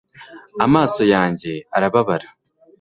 amaso yanjye arababara